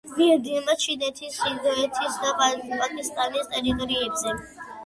მიედინება ჩინეთის, ინდოეთის და პაკისტანის ტერიტორიებზე.